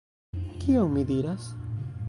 Kion mi diras?